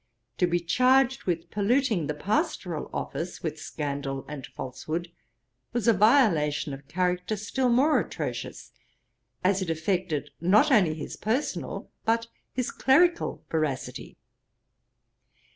To be charged with polluting the pastoral office with scandal and falsehood, was a violation of character still more atrocious, as it affected not only his personal but his clerical veracity.